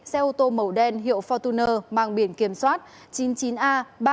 xe ô tô màu đen hiệu fortuner mang biển kiểm soát chín mươi chín a ba mươi nghìn sáu trăm ba mươi